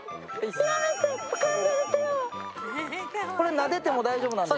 なでても大丈夫なんですか？